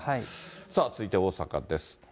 さあ、続いて大阪です。